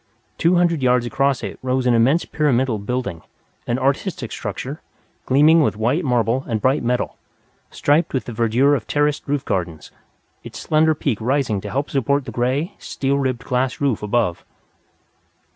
Two hundred yards across it rose an immense pyramidal building an artistic structure, gleaming with white marble and bright metal, striped with the verdure of terraced roof gardens, its slender peak rising to help support the gray, steel ribbed glass roof above.